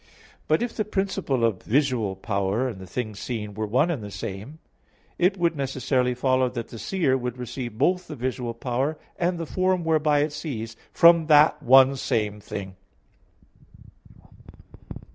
But if the principle of the visual power and the thing seen were one and the same thing, it would necessarily follow that the seer would receive both the visual power and the form whereby it sees, from that one same thing.